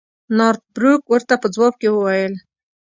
نارت بروک ورته په ځواب کې وویل.